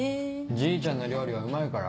じいちゃんの料理はうまいから。